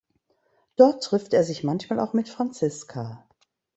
Dort trifft er sich manchmal auch mit Franziska.